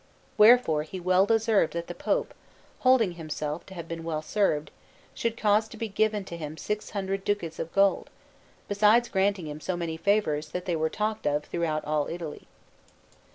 Wherefore he well deserved that the Pope, holding himself to have been well served, should cause to be given to him six hundred ducats of gold, besides granting him so many favours that they were talked of throughout all Italy.